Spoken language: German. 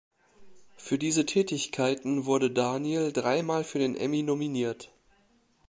Für diese Tätigkeiten wurde Daniel drei Mal für den Emmy nominiert.